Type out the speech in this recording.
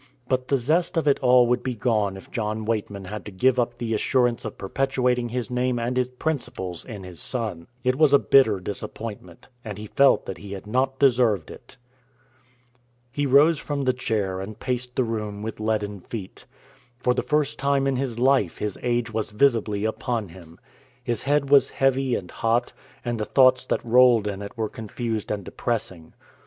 But the zest of it all would be gone if John Weightman had to give up the assurance of perpetuating his name and his principles in his son. It was a bitter disappointment, and he felt that he had not deserved it. He rose from the chair and paced the room with leaden feet. For the first time in his life his age was visibly upon him. His head was heavy and hot, and the thoughts that rolled in it were confused and depressing.